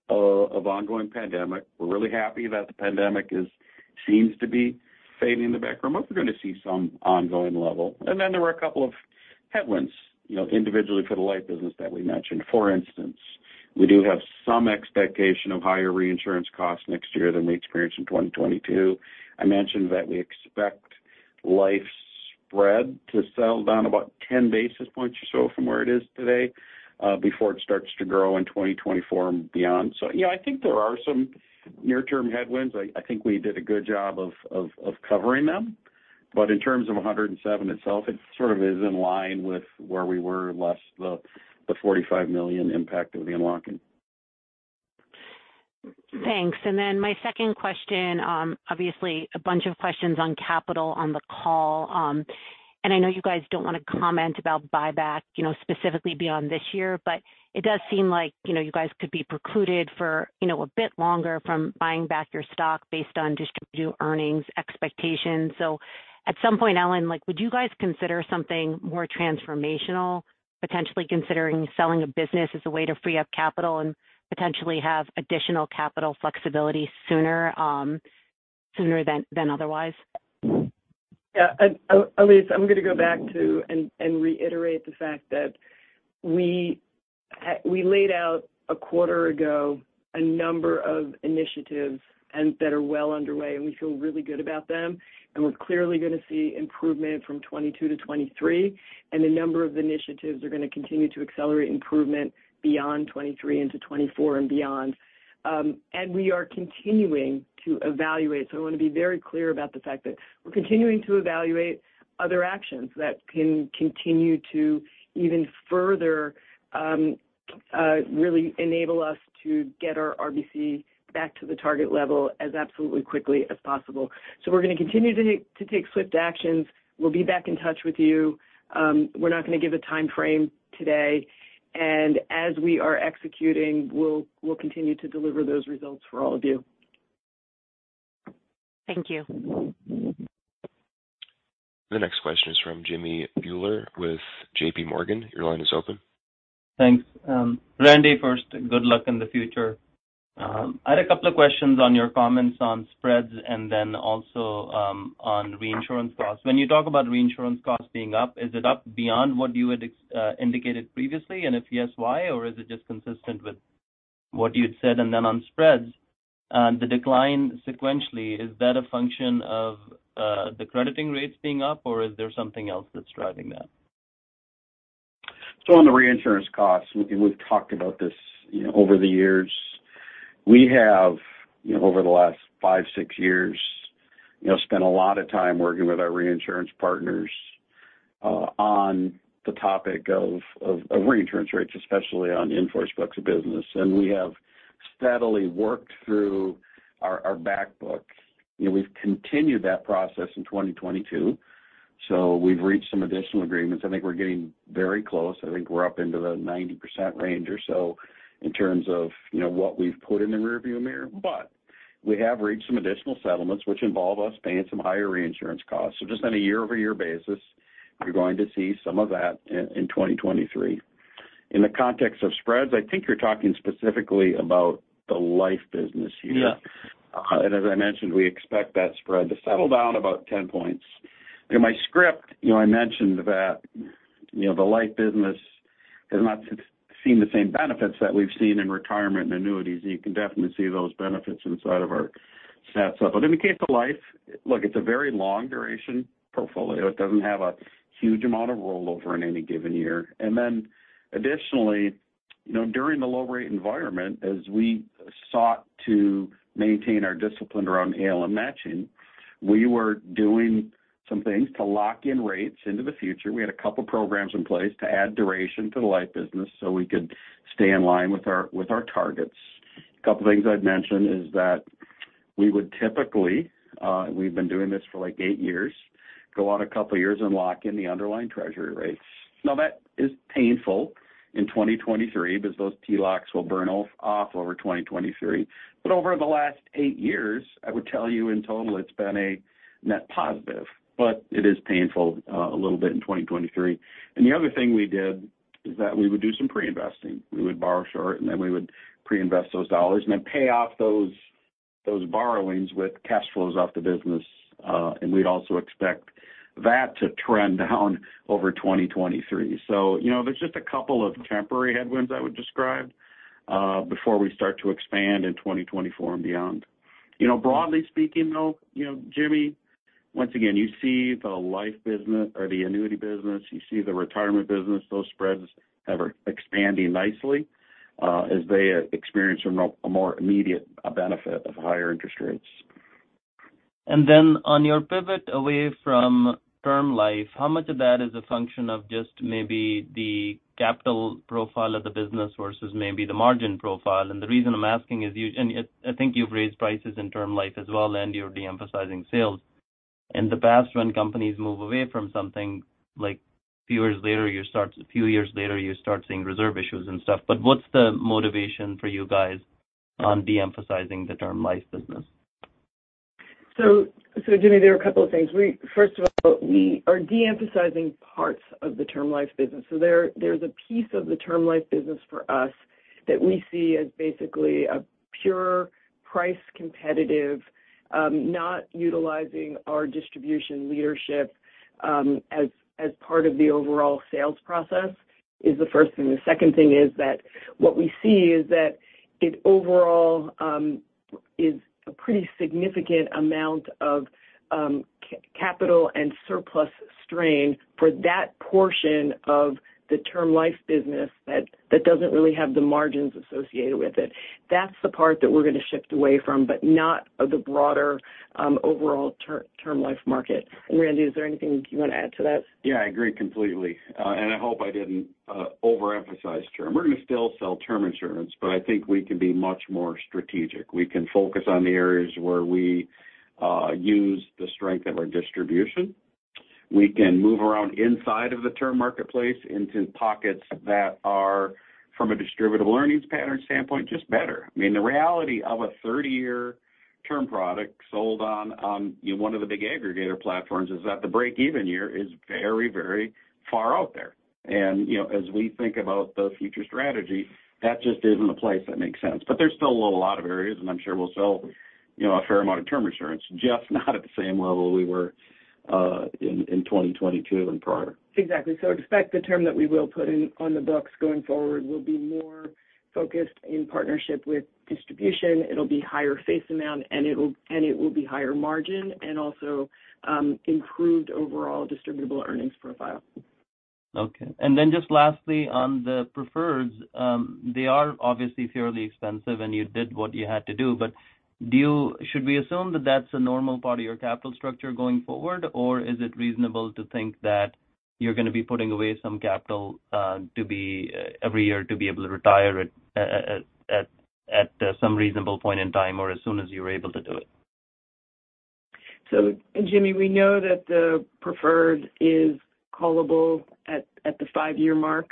of ongoing pandemic. We're really happy that the pandemic seems to be fading in the background, we're going to see some ongoing level. There were a couple of headwinds, you know, individually for the life business that we mentioned. For instance, we do have some expectation of higher reinsurance costs next year than we experienced in 2022. I mentioned that we expect life spread to settle down about 10 basis points or so from where it is today, before it starts to grow in 2024 and beyond. You know, I think there are some near-term headwinds. I think we did a good job of covering them. In terms of 107 itself, it sort of is in line with where we were, less the $45 million impact of the unlocking. Thanks. My second question, obviously a bunch of questions on capital on the call. I know you guys don't want to comment about buyback, you know, specifically beyond this year, but it does seem like, you know, you guys could be precluded for, you know, a bit longer from buying back your stock based on distributed earnings expectations. At some point, Ellen, like, would you guys consider something more transformational, potentially considering selling a business as a way to free up capital and potentially have additional capital flexibility sooner than otherwise? Yeah. Elyse, I'm going to go back to reiterate the fact that we laid out a quarter ago a number of initiatives that are well underway, and we feel really good about them. We're clearly going to see improvement from 22 to 23, a number of initiatives are going to continue to accelerate improvement beyond 23 into 24 and beyond. We are continuing to evaluate. I want to be very clear about the fact that we're continuing to evaluate other actions that can continue to even further really enable us to get our RBC back to the target level as absolutely quickly as possible. We're going to continue to take swift actions. We'll be back in touch with you. We're not going to give a timeframe today. As we are executing, we'll continue to deliver those results for all of you. Thank you. The next question is from Jimmy Bhullar with JP Morgan. Your line is open. Thanks. Randy, first, good luck in the future. I had a couple of questions on your comments on spreads and then also on reinsurance costs. When you talk about reinsurance costs being up, is it up beyond what you had indicated previously? If yes, why? Or is it just consistent with what you'd said? Then on spreads, the decline sequentially, is that a function of the crediting rates being up, or is there something else that's driving that? On the reinsurance costs, we've talked about this, you know, over the years. We have, you know, over the last five, six years, you know, spent a lot of time working with our reinsurance partners, on the topic of reinsurance rates, especially on in-force books of business. We have steadily worked through our back book. You know, we've continued that process in 2022, so we've reached some additional agreements. I think we're getting very close. I think we're up into the 90% range or so in terms of, you know, what we've put in the rear view mirror. We have reached some additional settlements which involve us paying some higher reinsurance costs. Just on a year-over-year basis, you're going to see some of that in 2023. In the context of spreads, I think you're talking specifically about the life business here. Yeah. As I mentioned, we expect that spread to settle down about 10 points. In my script, you know, I mentioned that, you know, the life business has not seen the same benefits that we've seen in retirement and annuities, and you can definitely see those benefits inside of our stat supp. In the case of life, look, it's a very long duration portfolio. It doesn't have a huge amount of rollover in any given year. Additionally, you know, during the low rate environment, as we sought to maintain our discipline around A/L matching, we were doing some things to lock in rates into the future. We had a couple programs in place to add duration to the life business so we could stay in line with our, with our targets. A couple things I'd mention is that we would typically, we've been doing this for like eight years, go out a couple years and lock in the underlying treasury rates. That is painful in 2023 because those T-locks will burn off over 2023. Over the last eight years, I would tell you in total it's been a net positive, but it is painful a little bit in 2023. The other thing we did is that we would do some pre-investing. We would borrow short, and then we would pre-invest those dollars and then pay off those borrowings with cash flows off the business. We'd also expect that to trend down over 2023. You know, there's just a couple of temporary headwinds I would describe before we start to expand in 2024 and beyond. You know, broadly speaking, though, you know, Jimmy, once again, you see the life business or the annuity business, you see the retirement business, those spreads ever-expanding nicely, as they experience a more immediate benefit of higher interest rates. On your pivot away from term life, how much of that is a function of just maybe the capital profile of the business versus maybe the margin profile? The reason I'm asking is you. I think you've raised prices in term life as well, and you're de-emphasizing sales. In the past, when companies move away from something, like, few years later, a few years later, you start seeing reserve issues and stuff. What's the motivation for you guys on de-emphasizing the term life business? Jimmy, there are a couple of things. First of all, we are de-emphasizing parts of the term life business. There's a piece of the term life business for us that we see as basically a pure price competitive, not utilizing our distribution leadership, as part of the overall sales process is the first thing. The second thing is that what we see is that it overall is a pretty significant amount of capital and surplus strain for that portion of the term life business that doesn't really have the margins associated with it. That's the part that we're going to shift away from, but not the broader overall term life market. Randy, is there anything you want to add to that? Yeah, I agree completely. I hope I didn't overemphasize term. We're gonna still sell term insurance. I think we can be much more strategic. We can focus on the areas where we use the strength of our distribution. We can move around inside of the term marketplace into pockets that are, from a distributable earnings pattern standpoint, just better. I mean, the reality of a 30-year term product sold on one of the big aggregator platforms is that the break-even year is very, very far out there. You know, as we think about the future strategy, that just isn't a place that makes sense. There's still a lot of areas, and I'm sure we'll sell, you know, a fair amount of term insurance, just not at the same level we were in 2022 and prior. Exactly. Expect the term that we will put in on the books going forward will be more focused in partnership with distribution. It'll be higher face amount, and it will be higher margin and also improved overall distributable earnings profile. Okay. Just lastly, on the preferreds, they are obviously fairly expensive, and you did what you had to do. Should we assume that that's a normal part of your capital structure going forward? Is it reasonable to think that you're gonna be putting away some capital every year to be able to retire at some reasonable point in time or as soon as you are able to do it? Jimmy, we know that the preferred is callable at the five year mark.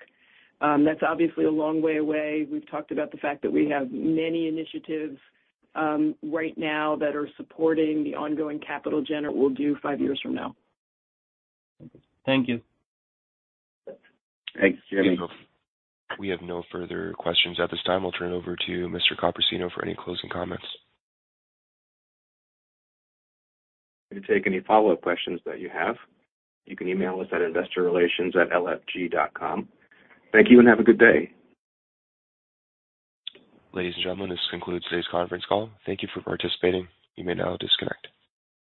That's obviously a long way away. We've talked about the fact that we have many initiatives right now that are supporting the ongoing capital gen or will do five years from now. Thank you. Thanks, Jimmy. We have no further questions at this time. We'll turn it over to Mr. Copersino for any closing comments. You can take any follow-up questions that you have. You can email us at InvestorRelations@LFG.com. Thank you, and have a good day. Ladies and gentlemen, this concludes today's conference call. Thank you for participating. You may now disconnect.